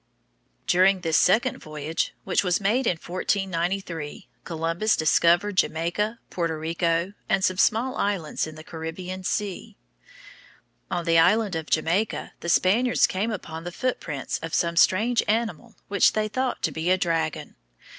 During this second voyage, which was made in 1493, Columbus discovered Jamaica, Puerto Rico, and some small islands in the Caribbean Sea. On the island of Jamaica the Spaniards came upon the footprints of some strange animal which they thought to be a dragon.